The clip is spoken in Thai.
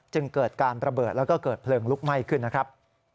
จึงเกิดการระเบิดแล้วก็เกิดเพลิงลุกไหม้ขึ้นนะครับ